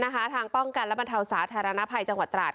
ทางป้องกันและบรรเทาสาธารณภัยจังหวัดตราด